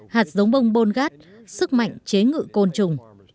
hạt giống bông bồn gát sức mạnh chế ngự côn trùng